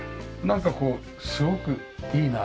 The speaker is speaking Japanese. なんかこうすごくいいな。